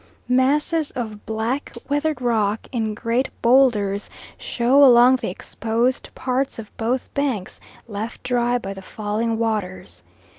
Masses of black weathered rock in great boulders show along the exposed parts of both banks, left dry by the falling waters.